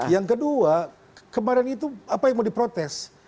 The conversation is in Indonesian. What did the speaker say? yang kedua kemarin itu apa yang mau diprotes